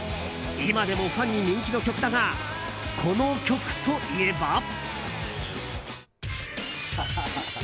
今でもファンに人気の曲だがこの曲といえば。